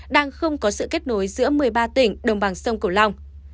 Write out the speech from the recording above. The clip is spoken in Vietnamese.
đang không có sự kết nối giữa một mươi ba tỉnh đồng bằng sông cổ long